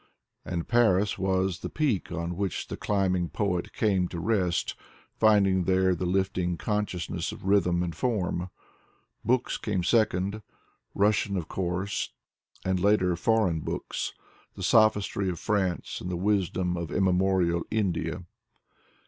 And Paris was the peak on which the climbing poet came to rest, finding there the lifting consciousness of rhythm and form. Books came second: Russian, of course, and later foreign books: the sophistry of France and the wisdom of immemorial India.